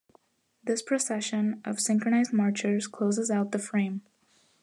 This procession of synchronized marchers closes out the frame.